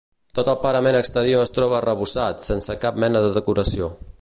Tot el parament exterior es troba arrebossat, sense cap mena de decoració.